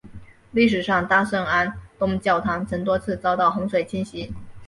历史上大圣安东教堂曾多次遭到洪水侵袭。